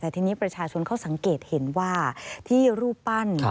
แต่ทีนี้ประชาชนเขาสังเกตเห็นว่าที่รูปปั้น